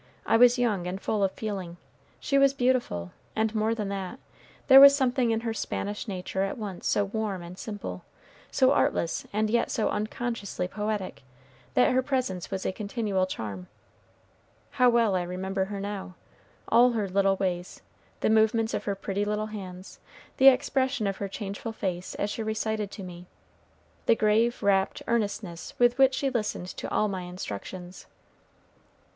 I was young and full of feeling. She was beautiful; and more than that, there was something in her Spanish nature at once so warm and simple, so artless and yet so unconsciously poetic, that her presence was a continual charm. How well I remember her now, all her little ways, the movements of her pretty little hands, the expression of her changeful face as she recited to me, the grave, rapt earnestness with which she listened to all my instructions!